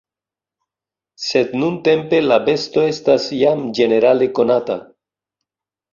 Sed nuntempe la besto estas jam ĝenerale konata.